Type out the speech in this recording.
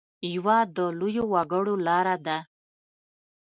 یوه د لویو وګړو لاره ده.